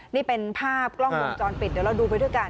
นี่เป็นภาพกล้องวงจรปิดเดี๋ยวเราดูไปด้วยกัน